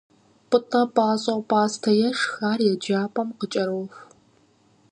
Пӏытӏэ пащӏэу пӏастэ ешх, ар еджапӏэм къыкӏэроху.